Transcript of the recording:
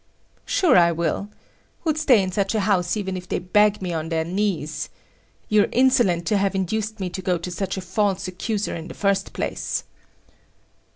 "Sure, I will. Who'd stay in such a house even if they beg me on their knees. You're insolent to have induced me to go to such a false accuser in the first place."